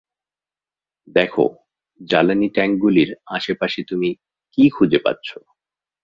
দেখো জ্বালানী ট্যাঙ্কগুলির আশেপাশে তুমি কী খুঁজে পাচ্ছ।